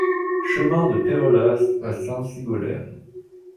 Chemin de Peyrelas à Sainte-Sigolène